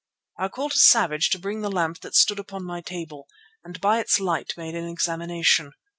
I called to Savage to bring the lamp that stood upon my table, and by its light made an examination.